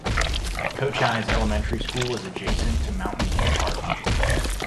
Cochise Elementary School is adjacent to Mountain View Park.